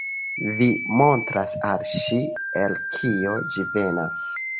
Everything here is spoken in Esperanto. Vi montras al ŝi, el kio ĝi venas.